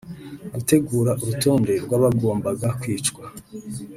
gutegura urutonde rw’abagombaga kwicwa